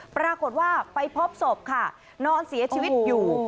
ปรากฏว่าไปพบศพค่ะนอนเสียชีวิตอยู่